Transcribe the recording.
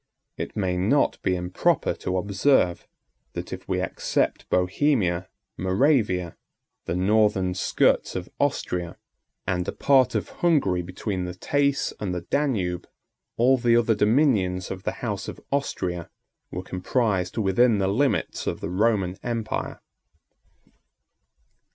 It may not be improper to observe, that if we except Bohemia, Moravia, the northern skirts of Austria, and a part of Hungary between the Teyss and the Danube, all the other dominions of the House of Austria were comprised within the limits of the Roman Empire.